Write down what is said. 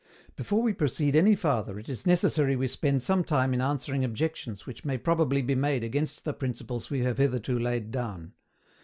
Before we proceed any farther it is necessary we spend some time in answering objections which may probably be made against the principles we have hitherto laid down.